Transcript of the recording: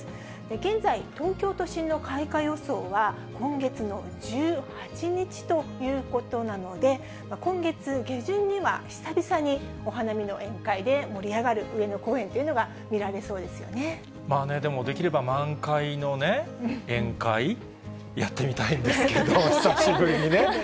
現在、東京都心の開花予想は、今月の１８日ということなので、今月下旬には久々にお花見の宴会で盛り上がる上野公園っていうのでも、できれば満開のね、宴会、やってみたいんですけど、久しぶりにね。